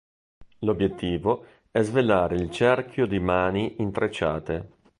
L'obiettivo è svelare il cerchio di mani intrecciate.